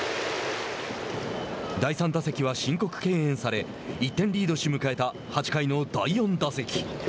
第３打席は申告敬遠され１点リードし迎えた８回の第４打席。